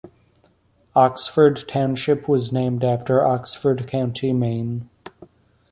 Oxford Township was named after Oxford County, Maine.